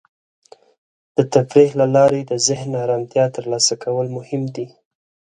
د تفریح له لارې د ذهن ارامتیا ترلاسه کول مهم دی.